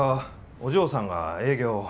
お嬢さんが営業を。